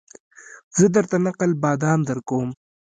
زه درته نقل بادام درکوم